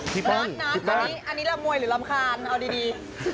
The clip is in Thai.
นัดอันนี้รำมวยหรือรำคาญเอาดี